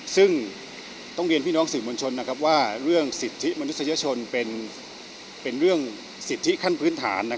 ซึ่งต้องเรียนพี่น้องสื่อมวลชนว่าเรื่องสิทธิมนุษยชนเป็นเรื่องสิทธิขั้นพื้นฐาน